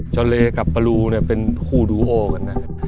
จอเลกับปลูเป็นคู่ดูโอกันนะครับ